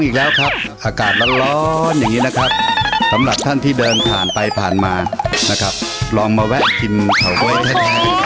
จริงแม่แคระก็รวยจะแย่อยู่แล้วยังจะมาทำมาค่าแถมตลกอีกครับ